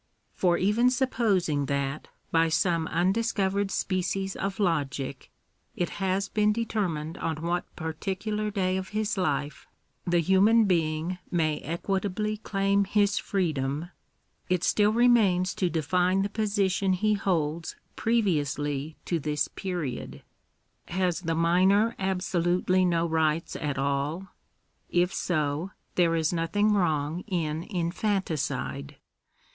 For even supposing that, by some undis covered species of logic, it has been determined on what par ticular day of his life the human being may equitably claim his freedom, it still remains to define the position he holds previously to this period. Has the minor absolutely no rights at all ?. If so, there is nothing wrong in infanticide.